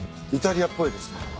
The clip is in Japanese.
イタリアっぽいですね。